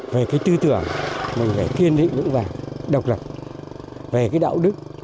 về cái tư tưởng mình phải kiên định vững vàng độc lập về cái đạo đức